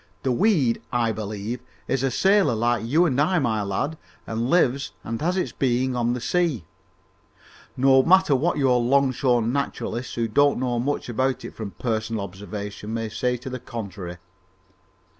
The weed, I believe, is a sailor, like you and I, my lad, and lives and has its being on the sea, no matter what your longshore naturalists, who don't know much about it from personal observation, may say to the contrary.